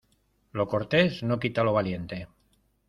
Lo cortés no quita lo valiente.